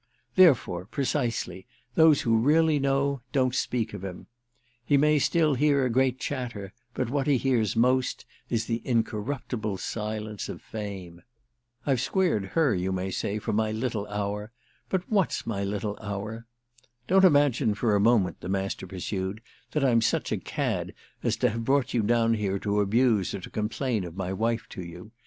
Therefore, precisely, those who really know don't speak of him. He may still hear a great chatter, but what he hears most is the incorruptible silence of Fame. I've squared her, you may say, for my little hour—but what's my little hour? Don't imagine for a moment," the Master pursued, "that I'm such a cad as to have brought you down here to abuse or to complain of my wife to you.